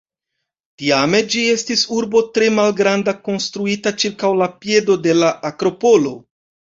Tiame ĝi estis urbo tre malgranda konstruita ĉirkaŭ la piedo de la Akropolo.